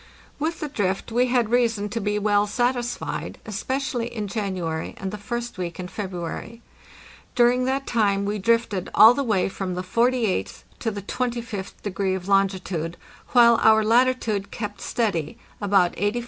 With the drift we had reason to be well satisfied, especially in January and the first week in February. During that time we drifted all the way from the 48th to the 25th degree of longitude, while our latitude kept steady—about 84° 50'.